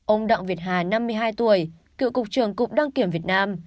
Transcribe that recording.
ông đặng việt hà năm mươi hai tuổi cựu cục trưởng cục đăng kiểm việt nam